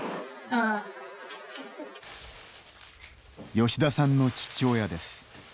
吉田さんの父親です。